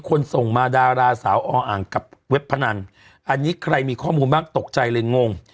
ส่งมาดาราสาวออ่างกับเว็บพนันอันนี้ใครมีข้อมูลบ้างตกใจเลยงง